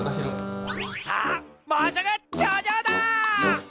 さあもうすぐちょうじょうだ！